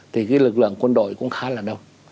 thì lực lượng quân đội cũng khá là đông